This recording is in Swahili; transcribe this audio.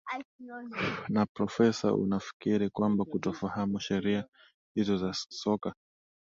na profesa unafikiri kwamba kutofahamu sheria hizo za soka